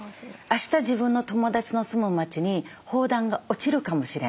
あした自分の友達の住む街に砲弾が落ちるかもしれない。